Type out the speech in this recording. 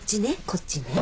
こっちね。